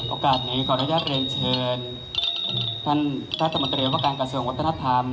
โอกาสนี้ขออนุญาตเรียนเชิญท่านรัฐมนตรีว่าการกระทรวงวัฒนธรรม